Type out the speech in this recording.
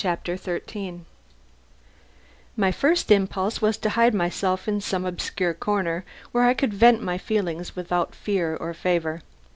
CHAPTER THIRTEEN My first impulse was to hide myself in some obscure corner where I could vent my feelings without fear or favour.